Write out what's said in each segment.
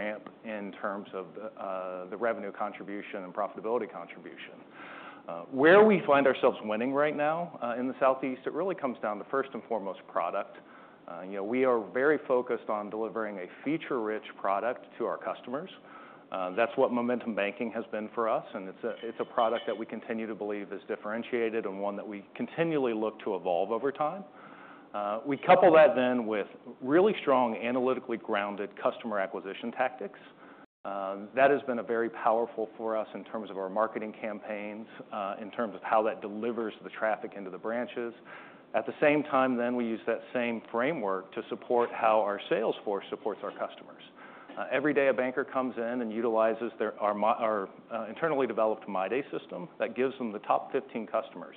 Nice ramp in terms of the revenue contribution and profitability contribution. Where we find ourselves winning right now in the Southeast, it really comes down to, first and foremost, product. We are very focused on delivering a feature-rich product to our customers. That's what Momentum Banking has been for us, and it's a product that we continue to believe is differentiated and one that we continually look to evolve over time. We couple that then with really strong, analytically grounded customer acquisition tactics. That has been very powerful for us in terms of our marketing campaigns, in terms of how that delivers the traffic into the branches. At the same time, then, we use that same framework to support how our sales force supports our customers. Every day, a banker comes in and utilizes our internally developed myday system that gives them the top 15 customers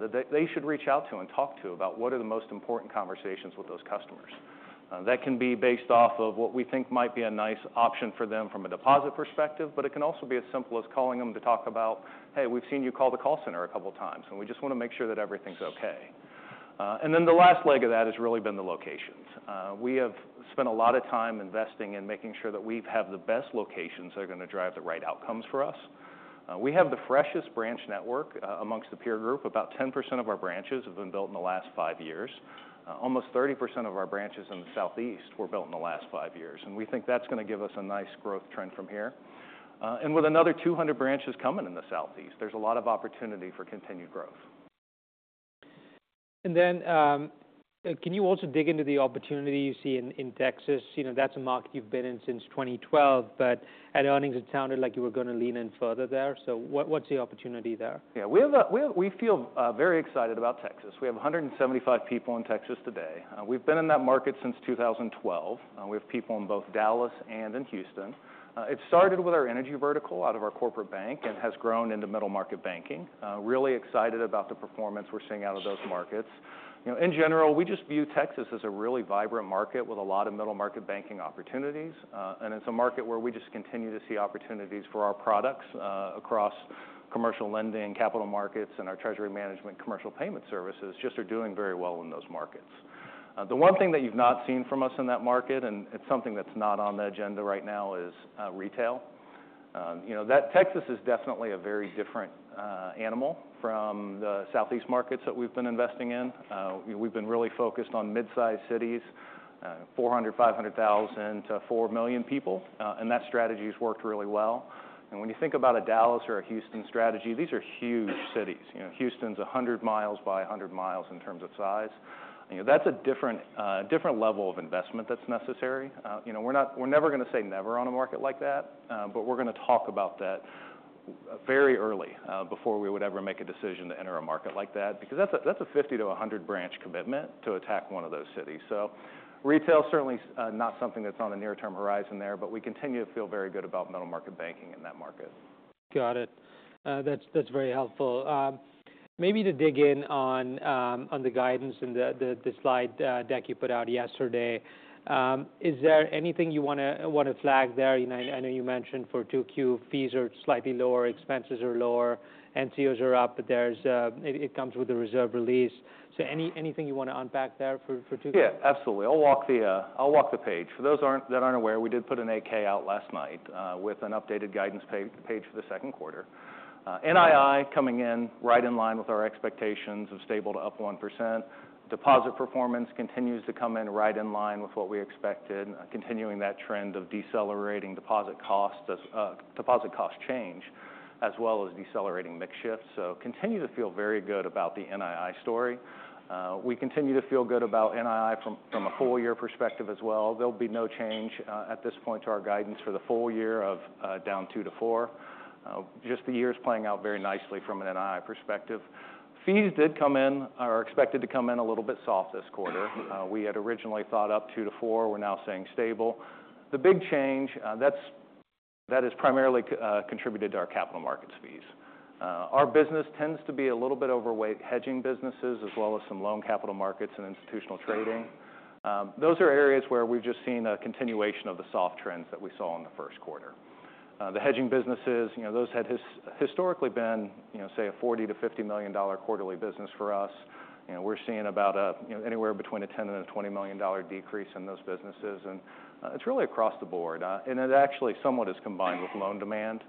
that they should reach out to and talk to about what are the most important conversations with those customers. That can be based off of what we think might be a nice option for them from a deposit perspective, but it can also be as simple as calling them to talk about, "Hey, we've seen you call the call center a couple of times, and we just want to make sure that everything's okay." And then the last leg of that has really been the locations. We have spent a lot of time investing in making sure that we have the best locations that are going to drive the right outcomes for us. We have the freshest branch network amongst the peer group. About 10% of our branches have been built in the last five years. Almost 30% of our branches in the Southeast were built in the last five years, and we think that's going to give us a nice growth trend from here. With another 200 branches coming in the Southeast, there's a lot of opportunity for continued growth. Then can you also dig into the opportunity you see in Texas? That's a market you've been in since 2012, but at earnings, it sounded like you were going to lean in further there. What's the opportunity there? Yeah, we feel very excited about Texas. We have 175 people in Texas today. We've been in that market since 2012. We have people in both Dallas and in Houston. It started with our energy vertical out of our corporate bank and has grown into middle market banking. Really excited about the performance we're seeing out of those markets. In general, we just view Texas as a really vibrant market with a lot of middle market banking opportunities, and it's a market where we just continue to see opportunities for our products across commercial lending, capital markets, and our treasury management commercial payment services just are doing very well in those markets. The one thing that you've not seen from us in that market, and it's something that's not on the agenda right now, is retail. Texas is definitely a very different animal from the Southeast markets that we've been investing in. We've been really focused on mid-sized cities, 400,000-500,000 to 4 million people, and that strategy has worked really well. When you think about a Dallas or a Houston strategy, these are huge cities. Houston's 100 miles by 100 miles in terms of size. That's a different level of investment that's necessary. We're never going to say never on a market like that, but we're going to talk about that very early before we would ever make a decision to enter a market like that, because that's a 50-100 branch commitment to attack one of those cities. Retail is certainly not something that's on the near-term horizon there, but we continue to feel very good about middle market banking in that market. Got it. That's very helpful. Maybe to dig in on the guidance and the slide deck you put out yesterday, is there anything you want to flag there? I know you mentioned for 2Q, fees are slightly lower, expenses are lower, NCOs are up, but it comes with a reserve release. So anything you want to unpack there for 2Q? Yeah, absolutely. I'll walk the page. For those that aren't aware, we did put an 8-K out last night with an updated guidance page for the Q2. NII coming in right in line with our expectations of stable to up 1%. Deposit performance continues to come in right in line with what we expected, continuing that trend of decelerating deposit cost change, as well as decelerating mix shifts. So continue to feel very good about the NII story. We continue to feel good about NII from a full-year perspective as well. There'll be no change at this point to our guidance for the full year of down 2%-4%. Just the year is playing out very nicely from an NII perspective. Fees did come in, are expected to come in a little bit soft this quarter. We had originally thought up 2%-4%. We're now seeing stable. The big change that has primarily contributed to our capital markets fees. Our business tends to be a little bit overweight hedging businesses, as well as some loan capital markets and institutional trading. Those are areas where we've just seen a continuation of the soft trends that we saw in the Q1. The hedging businesses, those had historically been, say, a $40 million-$50 million quarterly business for us. We're seeing about anywhere between a $10 million-$20 million decrease in those businesses, and it's really across the board. And it actually somewhat is combined with loan demand.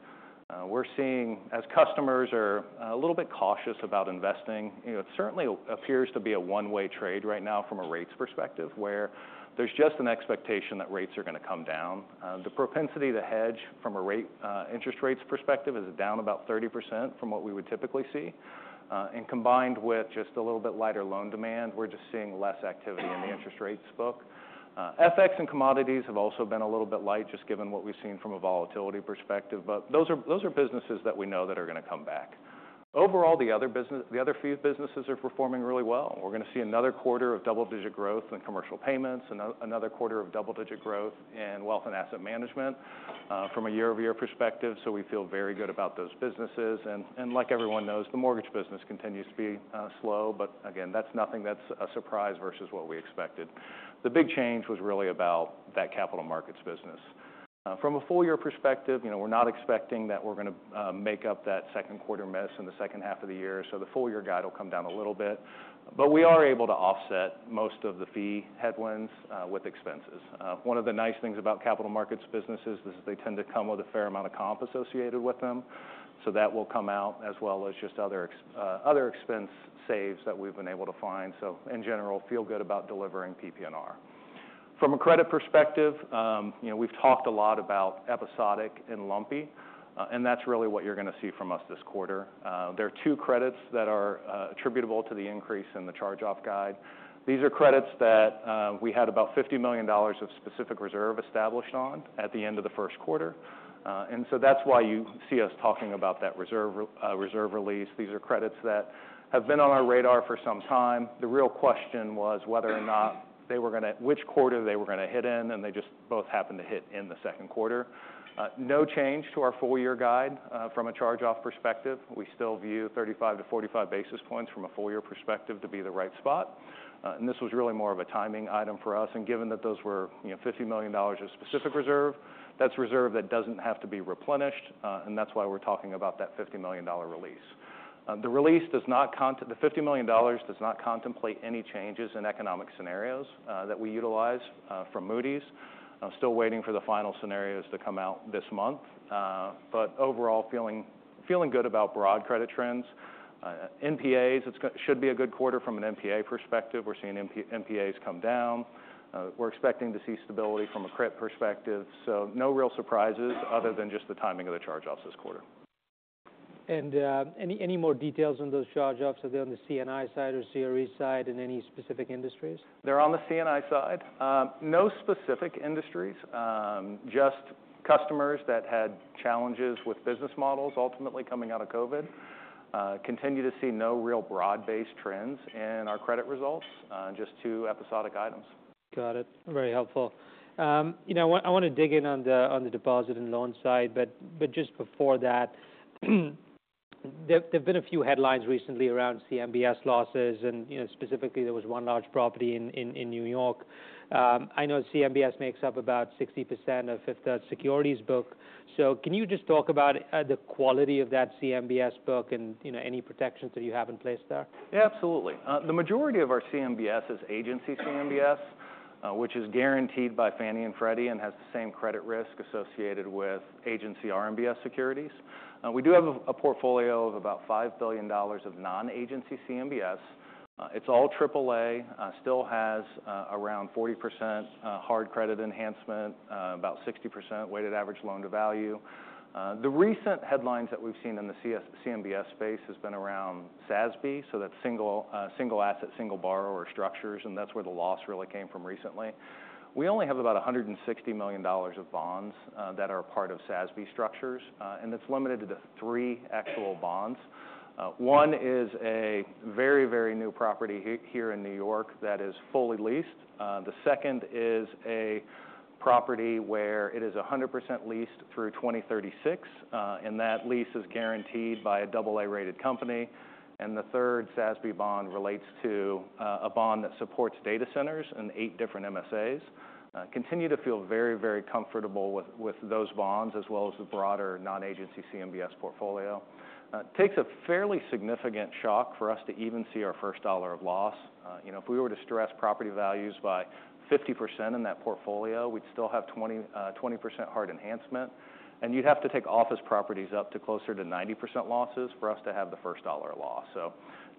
We're seeing, as customers are a little bit cautious about investing, it certainly appears to be a one-way trade right now from a rates perspective, where there's just an expectation that rates are going to come down. The propensity to hedge from an interest rates perspective is down about 30% from what we would typically see. Combined with just a little bit lighter loan demand, we're just seeing less activity in the interest rates book. FX and commodities have also been a little bit light, just given what we've seen from a volatility perspective, but those are businesses that we know that are going to come back. Overall, the other few businesses are performing really well. We're going to see another quarter of double-digit growth in commercial payments, another quarter of double-digit growth in wealth and asset management from a year-over-year perspective. We feel very good about those businesses. Like everyone knows, the mortgage business continues to be slow, but again, that's nothing that's a surprise versus what we expected. The big change was really about that capital markets business. From a full-year perspective, we're not expecting that we're going to make up that Q2 miss in the H2 of the year. So the full-year guide will come down a little bit, but we are able to offset most of the fee headwinds with expenses. One of the nice things about capital markets businesses is they tend to come with a fair amount of comp associated with them. So that will come out, as well as just other expense saves that we've been able to find. So in general, feel good about delivering PP&R. From a credit perspective, we've talked a lot about episodic and lumpy, and that's really what you're going to see from us this quarter. There are two credits that are attributable to the increase in the charge-off guide. These are credits that we had about $50 million of specific reserve established on at the end of the Q1. And so that's why you see us talking about that reserve release. These are credits that have been on our radar for some time. The real question was whether or not they were going to, which quarter they were going to hit in, and they just both happened to hit in the Q2. No change to our full-year guide from a charge-off perspective. We still view 35-45 basis points from a full-year perspective to be the right spot. And this was really more of a timing item for us. And given that those were $50 million of specific reserve, that's reserve that doesn't have to be replenished, and that's why we're talking about that $50 million release. The release does not, the $50 million does not contemplate any changes in economic scenarios that we utilize from Moody's. I'm still waiting for the final scenarios to come out this month, but overall feeling good about broad credit trends. NPAs, it should be a good quarter from an NPA perspective. We're seeing NPAs come down. We're expecting to see stability from a credit perspective. So no real surprises other than just the timing of the charge-offs this quarter. Any more details on those charge-offs? Are they on the C&I side or CRE side in any specific industries? They're on the C&I side. No specific industries, just customers that had challenges with business models, ultimately coming out of COVID. Continue to see no real broad-based trends in our credit results, just two episodic items. Got it. Very helpful. I want to dig in on the deposit and loan side, but just before that, there've been a few headlines recently around CMBS losses, and specifically, there was one large property in New York. I know CMBS makes up about 60% of Fifth Third Securities book. So can you just talk about the quality of that CMBS book and any protections that you have in place there? Yeah, absolutely. The majority of our CMBS is agency CMBS, which is guaranteed by Fannie and Freddie and has the same credit risk associated with agency RMBS securities. We do have a portfolio of about $5 billion of non-agency CMBS. It's all AAA, still has around 40% hard credit enhancement, about 60% weighted average loan to value. The recent headlines that we've seen in the CMBS space have been around SASB, so that's single asset, single borrower structures, and that's where the loss really came from recently. We only have about $160 million of bonds that are a part of SASB structures, and it's limited to three actual bonds. One is a very, very new property here in New York that is fully leased. The second is a property where it is 100% leased through 2036, and that lease is guaranteed by a AA-rated company. The third SASB bond relates to a bond that supports data centers and eight different MSAs. Continue to feel very, very comfortable with those bonds, as well as the broader non-agency CMBS portfolio. Takes a fairly significant shock for us to even see our first dollar of loss. If we were to stress property values by 50% in that portfolio, we'd still have 20% hard enhancement, and you'd have to take office properties up to closer to 90% losses for us to have the first dollar of loss.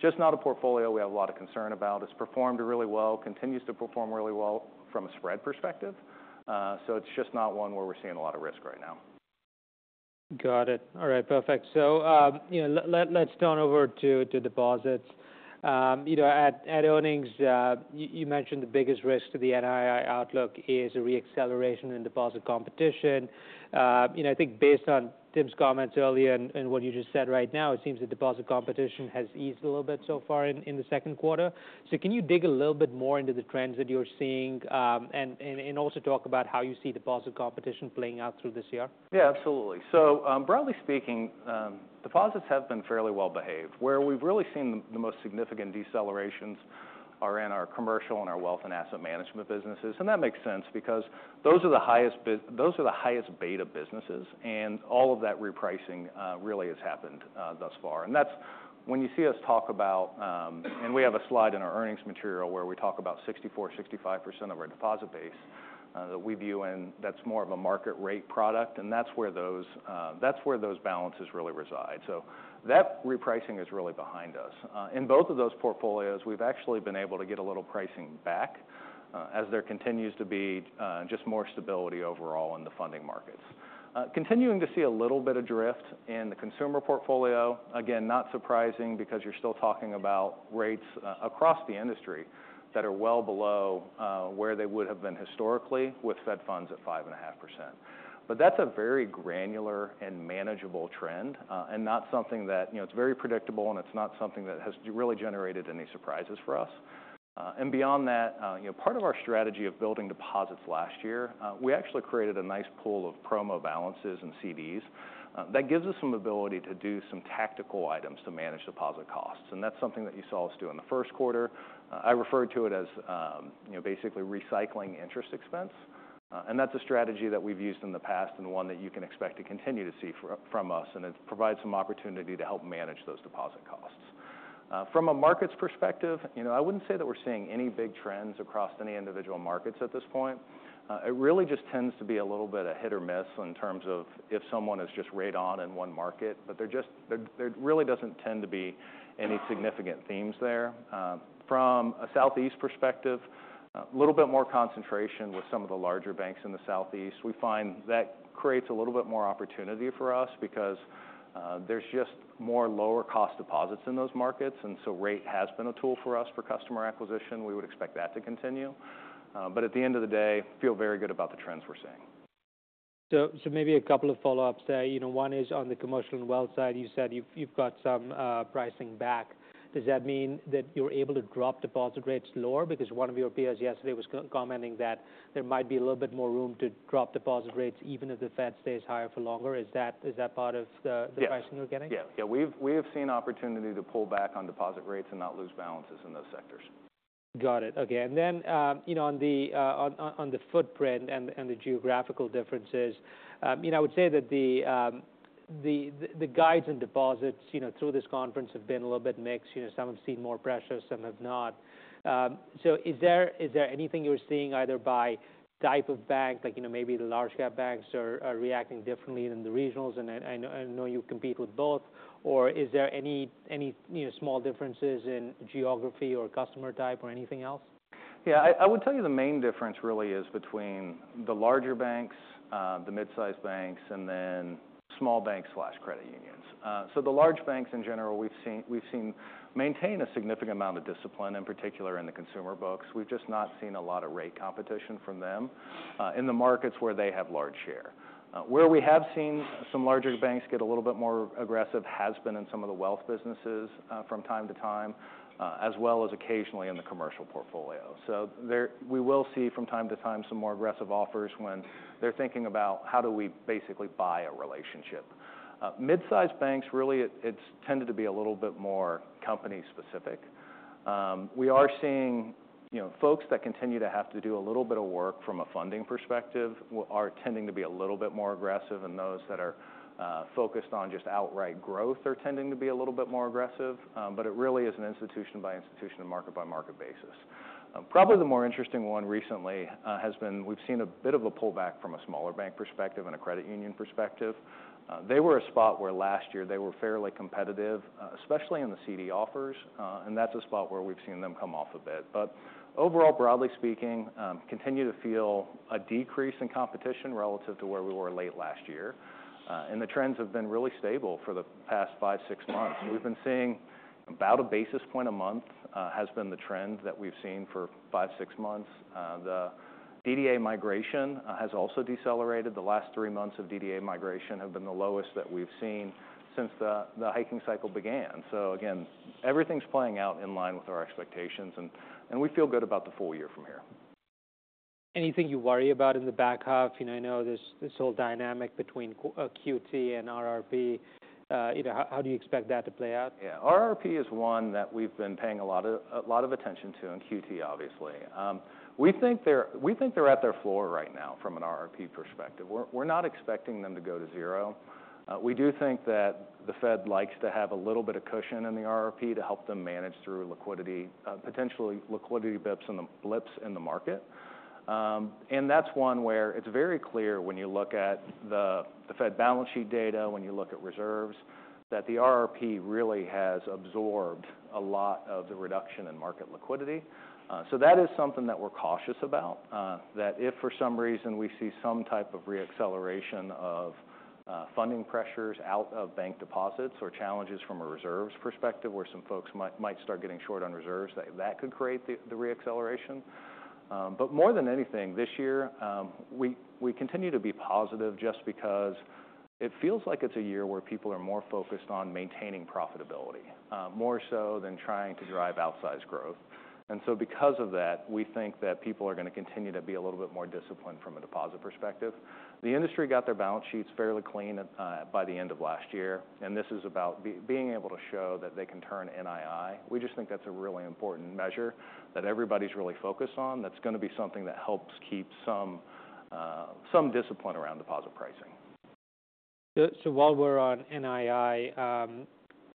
Just not a portfolio we have a lot of concern about. It's performed really well, continues to perform really well from a spread perspective. It's just not one where we're seeing a lot of risk right now. Got it. All right, perfect. So let's turn over to deposits. At earnings, you mentioned the biggest risk to the NII outlook is a reacceleration in deposit competition. I think based on Tim's comments earlier and what you just said right now, it seems that deposit competition has eased a little bit so far in the Q2. So can you dig a little bit more into the trends that you're seeing and also talk about how you see deposit competition playing out through this year? Yeah, absolutely. So broadly speaking, deposits have been fairly well behaved. Where we've really seen the most significant decelerations are in our commercial and our wealth and asset management businesses. And that makes sense because those are the highest beta businesses, and all of that repricing really has happened thus far. And that's when you see us talk about, and we have a slide in our earnings material where we talk about 64%-65% of our deposit base that we view, and that's more of a market rate product, and that's where those balances really reside. So that repricing is really behind us. In both of those portfolios, we've actually been able to get a little pricing back as there continues to be just more stability overall in the funding markets. Continuing to see a little bit of drift in the consumer portfolio. Again, not surprising because you're still talking about rates across the industry that are well below where they would have been historically with Fed funds at 5.5%. But that's a very granular and manageable trend and not something that, it's very predictable, and it's not something that has really generated any surprises for us. And beyond that, part of our strategy of building deposits last year, we actually created a nice pool of promo balances and CDs that gives us some ability to do some tactical items to manage deposit costs. And that's something that you saw us do in the Q1. I referred to it as basically recycling interest expense, and that's a strategy that we've used in the past and one that you can expect to continue to see from us, and it provides some opportunity to help manage those deposit costs. From a markets perspective, I wouldn't say that we're seeing any big trends across any individual markets at this point. It really just tends to be a little bit of hit or miss in terms of if someone is just random in one market, but there really doesn't tend to be any significant themes there. From a Southeast perspective, a little bit more concentration with some of the larger banks in the Southeast. We find that creates a little bit more opportunity for us because there's just more lower-cost deposits in those markets, and so rate has been a tool for us for customer acquisition. We would expect that to continue. But at the end of the day, feel very good about the trends we're seeing. So maybe a couple of follow-ups there. One is on the commercial and wealth side, you said you've got some pricing back. Does that mean that you're able to drop deposit rates lower? Because one of your peers yesterday was commenting that there might be a little bit more room to drop deposit rates even if the Fed stays higher for longer. Is that part of the pricing you're getting? Yeah, yeah. We have seen opportunity to pull back on deposit rates and not lose balances in those sectors. Got it. Okay. And then on the footprint and the geographical differences, I would say that the guides and deposits through this conference have been a little bit mixed. Some have seen more pressure, some have not. So is there anything you're seeing either by type of bank, like maybe the large-cap banks are reacting differently than the regionals, and I know you compete with both, or is there any small differences in geography or customer type or anything else? Yeah, I would tell you the main difference really is between the larger banks, the mid-sized banks, and then small banks/credit unions. So the large banks in general, we've seen maintain a significant amount of discipline, in particular in the consumer books. We've just not seen a lot of rate competition from them in the markets where they have large share. Where we have seen some larger banks get a little bit more aggressive has been in some of the wealth businesses from time-to-time, as well as occasionally in the commercial portfolio. So we will see from time-to-time some more aggressive offers when they're thinking about how do we basically buy a relationship. Mid-sized banks, really, it's tended to be a little bit more company specific. We are seeing folks that continue to have to do a little bit of work from a funding perspective are tending to be a little bit more aggressive, and those that are focused on just outright growth are tending to be a little bit more aggressive. But it really is an institution by institution and market by market basis. Probably the more interesting one recently has been we've seen a bit of a pullback from a smaller bank perspective and a credit union perspective. They were a spot where last year they were fairly competitive, especially in the CD offers, and that's a spot where we've seen them come off a bit. But overall, broadly speaking, continue to feel a decrease in competition relative to where we were late last year, and the trends have been really stable for the past 5, 6 months. We've been seeing about a basis point a month has been the trend that we've seen for five, six months. The DDA migration has also decelerated. The last three months of DDA migration have been the lowest that we've seen since the hiking cycle began. So again, everything's playing out in line with our expectations, and we feel good about the full year from here. Anything you worry about in the back half? I know there's this whole dynamic between QT and RRP. How do you expect that to play out? Yeah, RRP is one that we've been paying a lot of attention to, and QT obviously. We think they're at their floor right now from an RRP perspective. We're not expecting them to go to zero. We do think that the Fed likes to have a little bit of cushion in the RRP to help them manage through liquidity, potentially liquidity blips in the market. And that's one where it's very clear when you look at the Fed balance sheet data, when you look at reserves, that the RRP really has absorbed a lot of the reduction in market liquidity. So that is something that we're cautious about, that if for some reason we see some type of reacceleration of funding pressures out of bank deposits or challenges from a reserves perspective where some folks might start getting short on reserves, that could create the reacceleration. But more than anything this year, we continue to be positive just because it feels like it's a year where people are more focused on maintaining profitability, more so than trying to drive outsized growth. And so because of that, we think that people are going to continue to be a little bit more disciplined from a deposit perspective. The industry got their balance sheets fairly clean by the end of last year, and this is about being able to show that they can turn NII. We just think that's a really important measure that everybody's really focused on. That's going to be something that helps keep some discipline around deposit pricing. While we're on NII,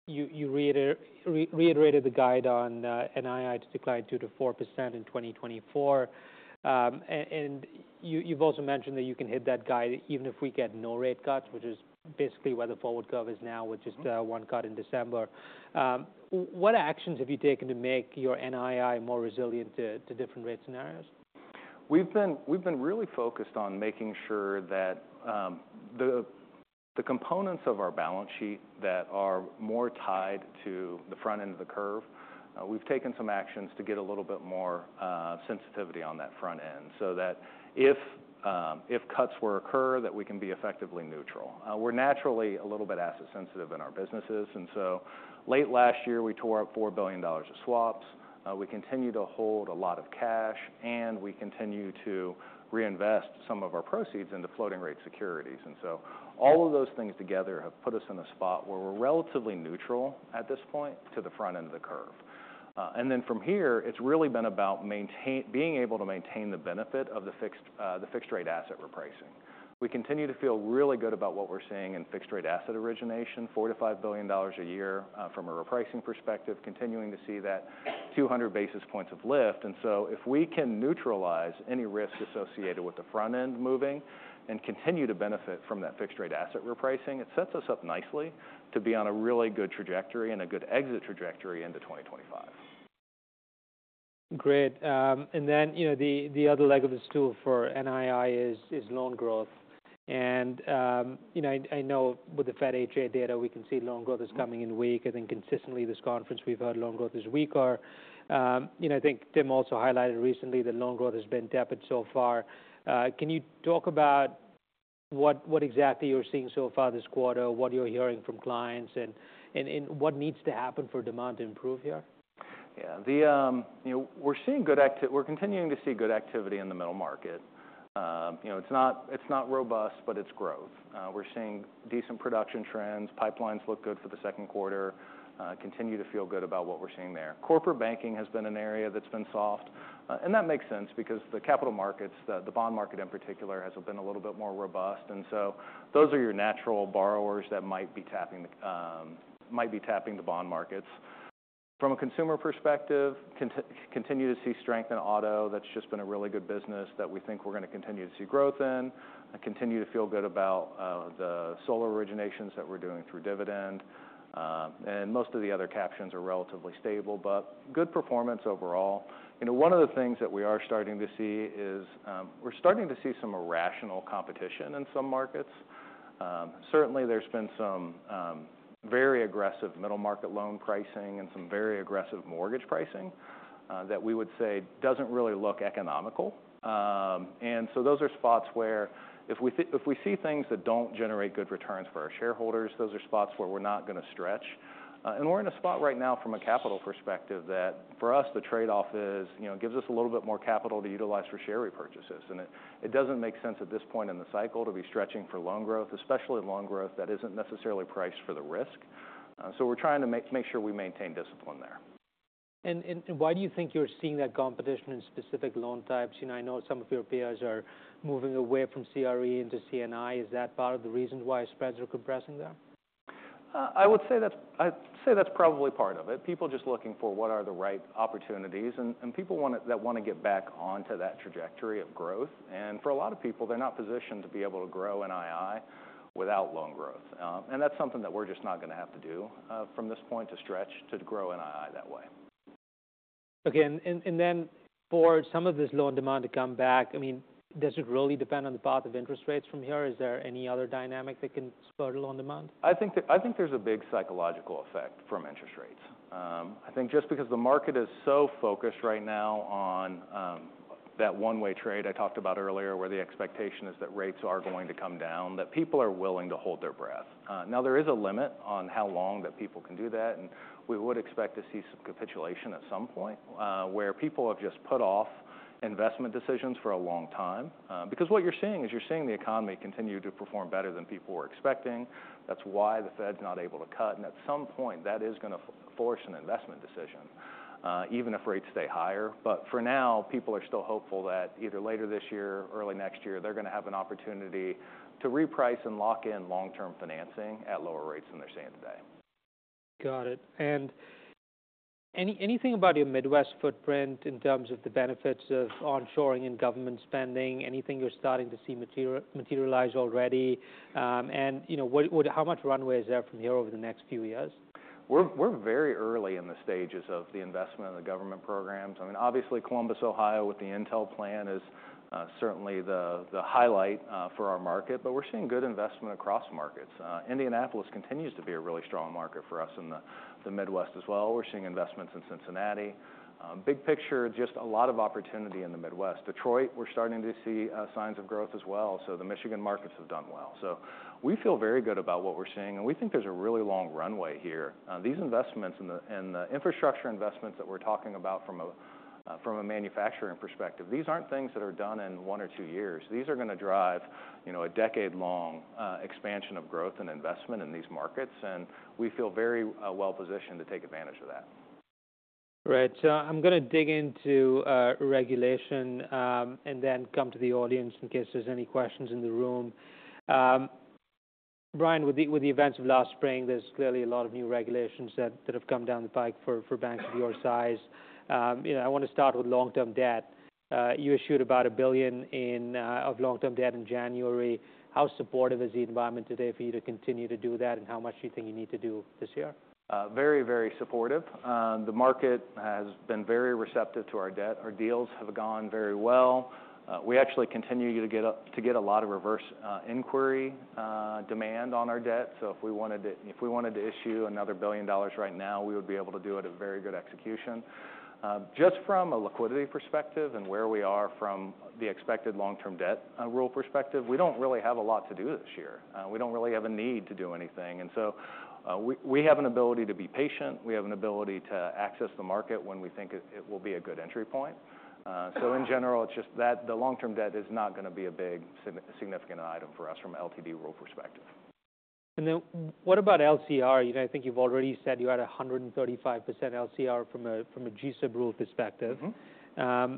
you reiterated the guide on NII to decline 2%-4% in 2024. You've also mentioned that you can hit that guide even if we get no rate cuts, which is basically where the forward curve is now with just one cut in December. What actions have you taken to make your NII more resilient to different rate scenarios? We've been really focused on making sure that the components of our balance sheet that are more tied to the front end of the curve. We've taken some actions to get a little bit more sensitivity on that front end so that if cuts were to occur, that we can be effectively neutral. We're naturally a little bit asset sensitive in our businesses, and so late last year we tore up $4 billion of swaps. We continue to hold a lot of cash, and we continue to reinvest some of our proceeds into floating rate securities. And so all of those things together have put us in a spot where we're relatively neutral at this point to the front end of the curve. And then from here, it's really been about being able to maintain the benefit of the fixed rate asset repricing. We continue to feel really good about what we're seeing in fixed rate asset origination, $4 billion-$5 billion a year from a repricing perspective, continuing to see that 200 basis points of lift. So if we can neutralize any risk associated with the front end moving and continue to benefit from that fixed rate asset repricing, it sets us up nicely to be on a really good trajectory and a good exit trajectory into 2025. Great. And then the other leg of the stool for NII is loan growth. And I know with the Fed H.8 data, we can see loan growth is coming in weak. I think consistently this conference we've heard loan growth is weaker. I think Tim also highlighted recently that loan growth has been tepid so far. Can you talk about what exactly you're seeing so far this quarter, what you're hearing from clients, and what needs to happen for demand to improve here? Yeah, we're continuing to see good activity in the middle market. It's not robust, but it's growth. We're seeing decent production trends. Pipelines look good for the Q2. Continue to feel good about what we're seeing there. Corporate banking has been an area that's been soft, and that makes sense because the capital markets, the bond market in particular, has been a little bit more robust. And so those are your natural borrowers that might be tapping the bond markets. From a consumer perspective, continue to see strength in auto. That's just been a really good business that we think we're going to continue to see growth in. Continue to feel good about the solar originations that we're doing through Dividend. And most of the other captions are relatively stable, but good performance overall. One of the things that we are starting to see is we're starting to see some irrational competition in some markets. Certainly, there's been some very aggressive middle market loan pricing and some very aggressive mortgage pricing that we would say doesn't really look economical. And so those are spots where if we see things that don't generate good returns for our shareholders, those are spots where we're not going to stretch. And we're in a spot right now from a capital perspective that for us, the trade-off is it gives us a little bit more capital to utilize for share repurchases. And it doesn't make sense at this point in the cycle to be stretching for loan growth, especially loan growth that isn't necessarily priced for the risk. So we're trying to make sure we maintain discipline there. Why do you think you're seeing that competition in specific loan types? I know some of your peers are moving away from CRE into CI. Is that part of the reason why spreads are compressing there? I would say that's probably part of it. People are just looking for what are the right opportunities, and people that want to get back onto that trajectory of growth. And for a lot of people, they're not positioned to be able to grow NII without loan growth. And that's something that we're just not going to have to do from this point to stretch to grow NII that way. Okay. And then for some of this loan demand to come back, I mean, does it really depend on the path of interest rates from here? Is there any other dynamic that can spur loan demand? I think there's a big psychological effect from interest rates. I think just because the market is so focused right now on that one-way trade I talked about earlier where the expectation is that rates are going to come down, that people are willing to hold their breath. Now, there is a limit on how long that people can do that, and we would expect to see some capitulation at some point where people have just put off investment decisions for a long time. Because what you're seeing is you're seeing the economy continue to perform better than people were expecting. That's why the Fed's not able to cut. At some point, that is going to force an investment decision, even if rates stay higher. But for now, people are still hopeful that either later this year or early next year, they're going to have an opportunity to reprice and lock in long-term financing at lower rates than they're seeing today. Got it. And anything about your Midwest footprint in terms of the benefits of onshoring and government spending? Anything you're starting to see materialize already? And how much runway is there from here over the next few years? We're very early in the stages of the investment in the government programs. I mean, obviously, Columbus, Ohio with the Intel plan is certainly the highlight for our market, but we're seeing good investment across markets. Indianapolis continues to be a really strong market for us in the Midwest as well. We're seeing investments in Cincinnati. Big picture, just a lot of opportunity in the Midwest. Detroit, we're starting to see signs of growth as well. So the Michigan markets have done well. So we feel very good about what we're seeing, and we think there's a really long runway here. These investments and the infrastructure investments that we're talking about from a manufacturing perspective, these aren't things that are done in one or two years. These are going to drive a decade-long expansion of growth and investment in these markets, and we feel very well positioned to take advantage of that. Right. So I'm going to dig into regulation and then come to the audience in case there's any questions in the room. Bryan, with the events of last spring, there's clearly a lot of new regulations that have come down the pike for banks of your size. I want to start with long-term debt. You issued about $1 billion of long-term debt in January. How supportive is the environment today for you to continue to do that, and how much do you think you need to do this year? Very, very supportive. The market has been very receptive to our debt. Our deals have gone very well. We actually continue to get a lot of reverse inquiry demand on our debt. So if we wanted to issue another $1 billion right now, we would be able to do it at very good execution. Just from a liquidity perspective and where we are from the expected long-term debt rule perspective, we don't really have a lot to do this year. We don't really have a need to do anything. And so we have an ability to be patient. We have an ability to access the market when we think it will be a good entry point. So in general, it's just that the long-term debt is not going to be a big significant item for us from an LTD rule perspective. Then what about LCR? I think you've already said you're at 135% LCR from a GSIB rule perspective. I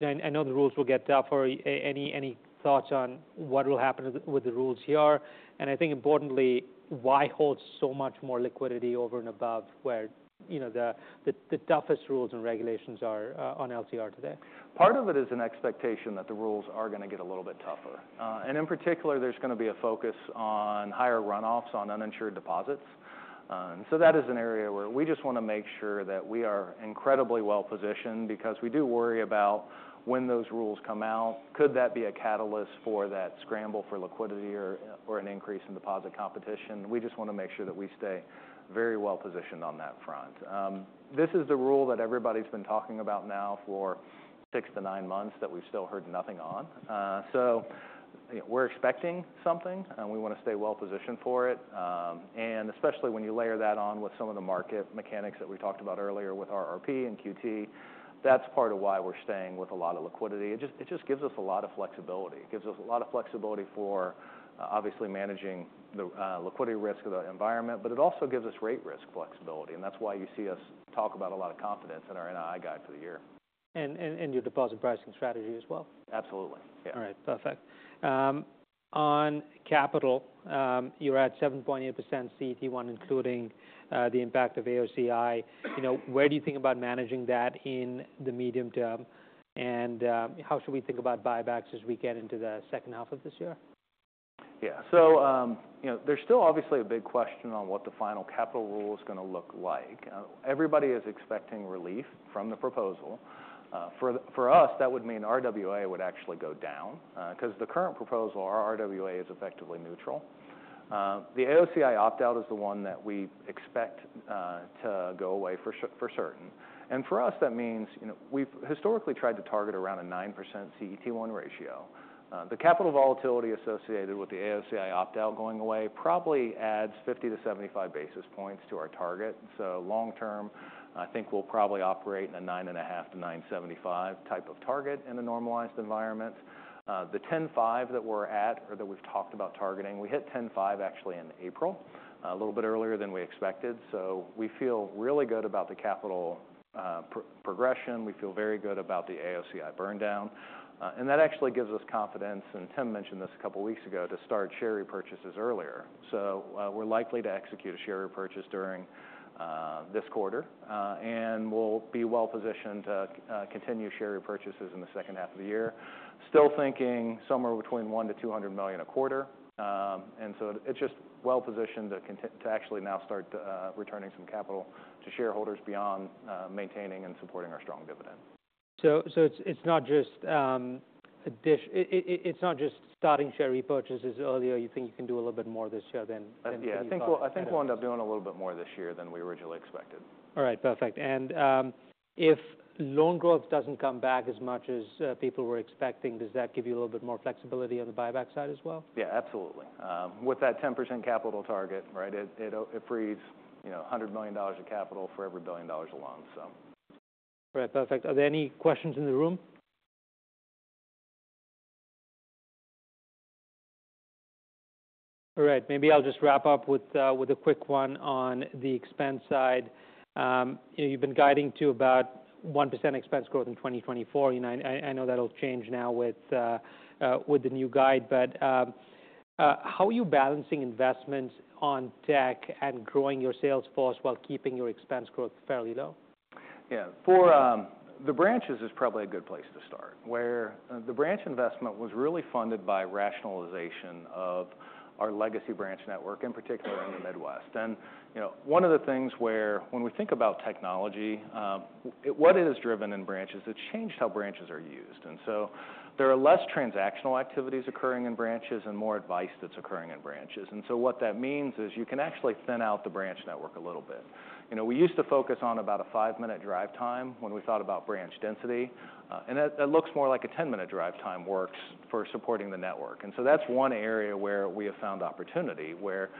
know the rules will get tougher. Any thoughts on what will happen with the rules here? I think importantly, why hold so much more liquidity over and above where the toughest rules and regulations are on LCR today? Part of it is an expectation that the rules are going to get a little bit tougher. In particular, there's going to be a focus on higher runoffs on uninsured deposits. That is an area where we just want to make sure that we are incredibly well positioned because we do worry about when those rules come out, could that be a catalyst for that scramble for liquidity or an increase in deposit competition? We just want to make sure that we stay very well positioned on that front. This is the rule that everybody's been talking about now for 6-9 months that we've still heard nothing on. So we're expecting something, and we want to stay well positioned for it. Especially when you layer that on with some of the market mechanics that we talked about earlier with RRP and QT, that's part of why we're staying with a lot of liquidity. It just gives us a lot of flexibility. It gives us a lot of flexibility for obviously managing the liquidity risk of the environment, but it also gives us rate risk flexibility. That's why you see us talk about a lot of confidence in our NII guide for the year. Your deposit pricing strategy as well? Absolutely. Yeah. All right. Perfect. On capital, you're at 7.8% CET1, including the impact of AOCI. Where do you think about managing that in the medium term? And how should we think about buybacks as we get into the H2 of this year? Yeah. So there's still obviously a big question on what the final capital rule is going to look like. Everybody is expecting relief from the proposal. For us, that would mean RWA would actually go down because the current proposal, our RWA is effectively neutral. The AOCI opt-out is the one that we expect to go away for certain. And for us, that means we've historically tried to target around a 9% CET1 ratio. The capital volatility associated with the AOCI opt-out going away probably adds 50-75 basis points to our target. So long term, I think we'll probably operate in a 9.5%-9.75% type of target in a normalized environment. The 10.5% that we're at or that we've talked about targeting, we hit 10.5% actually in April, a little bit earlier than we expected. So we feel really good about the capital progression. We feel very good about the AOCI burndown. That actually gives us confidence, and Tim mentioned this a couple of weeks ago, to start share repurchases earlier. We're likely to execute a share repurchase during this quarter, and we'll be well positioned to continue share repurchases in the H2 of the year. Still thinking somewhere between $1 million-$200 million a quarter. So it's just well positioned to actually now start returning some capital to shareholders beyond maintaining and supporting our strong dividend. It's not just starting share repurchases earlier. You think you can do a little bit more this year than you thought? Yeah, I think we'll end up doing a little bit more this year than we originally expected. All right. Perfect. And if loan growth doesn't come back as much as people were expecting, does that give you a little bit more flexibility on the buyback side as well? Yeah, absolutely. With that 10% capital target, right, it frees $100 million of capital for every $1 billion of loans, so. All right. Perfect. Are there any questions in the room? All right. Maybe I'll just wrap up with a quick one on the expense side. You've been guiding to about 1% expense growth in 2024. I know that'll change now with the new guide, but how are you balancing investments on tech and growing your sales force while keeping your expense growth fairly low? Yeah. For the branches, it's probably a good place to start, where the branch investment was really funded by rationalization of our legacy branch network, in particular in the Midwest. And one of the things where when we think about technology, what it has driven in branches, it's changed how branches are used. And so there are less transactional activities occurring in branches and more advice that's occurring in branches. And so what that means is you can actually thin out the branch network a little bit. We used to focus on about a five-minute drive time when we thought about branch density. And it looks more like a 10-minute drive time works for supporting the network. That's one area where we have found opportunity, where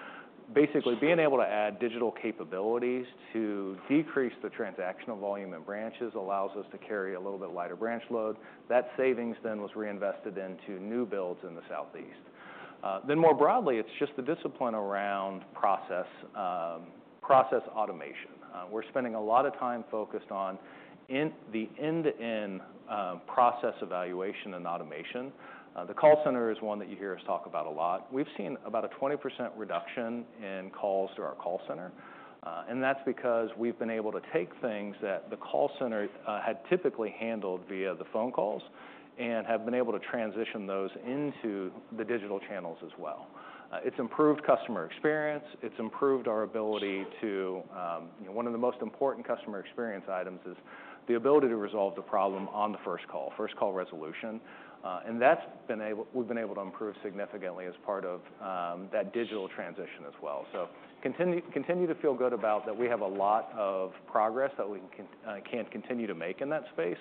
basically being able to add digital capabilities to decrease the transactional volume in branches allows us to carry a little bit lighter branch load. That savings then was reinvested into new builds in the Southeast. More broadly, it's just the discipline around process automation. We're spending a lot of time focused on the end-to-end process evaluation and automation. The call center is one that you hear us talk about a lot. We've seen about a 20% reduction in calls to our call center. That's because we've been able to take things that the call center had typically handled via the phone calls and have been able to transition those into the digital channels as well. It's improved customer experience. It's improved our ability to one of the most important customer experience items is the ability to resolve the problem on the first call, first call resolution. We've been able to improve significantly as part of that digital transition as well. We continue to feel good about that. We have a lot of progress that we can continue to make in that space.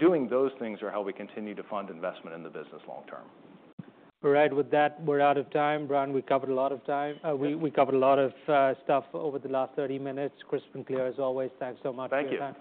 Doing those things are how we continue to fund investment in the business long term. All right. With that, we're out of time. Bryan, we covered a lot of time. We covered a lot of stuff over the last 30 minutes. Chris Doll, as always, thanks so much. Thank you.